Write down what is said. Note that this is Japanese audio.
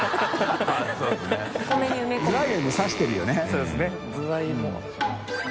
そうですねズワイも。